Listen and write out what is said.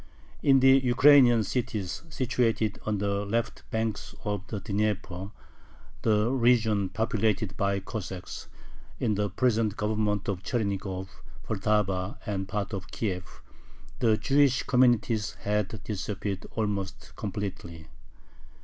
In the Ukrainian cities situated on the left banks of the Dnieper, the region populated by Cossacks, in the present Governments of Chernigov, Poltava, and part of Kiev, the Jewish communities had disappeared almost completely.